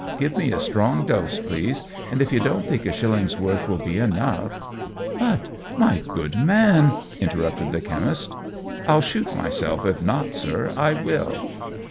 Give me a strong dose, please, and if you don't think a shilling's worth will be enough " "But, my good man " interrupted the chemist. "I'll shoot myself if not, sir, I will."